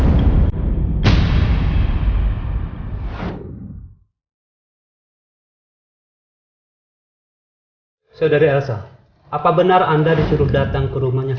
kau mencuri k superficial sayangnya